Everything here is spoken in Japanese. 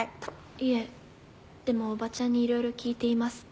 いえでもおばちゃんにいろいろ聞いています。